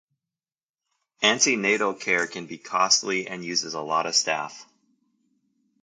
Antenatal care can be costly and uses a lot of staff.